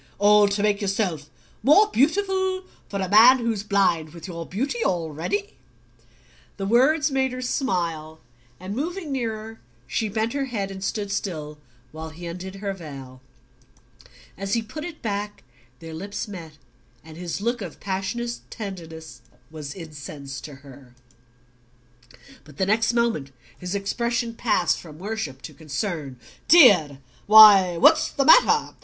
"All to make yourself more beautiful for a man who's blind with your beauty already?" The words made her smile, and moving nearer she bent her head and stood still while he undid her veil. As he put it back their lips met, and his look of passionate tenderness was incense to her. But the next moment his expression passed from worship to concern. "Dear! Why, what's the matter?